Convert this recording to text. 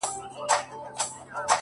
• په گيلاس او په ساغر دي اموخته کړم؛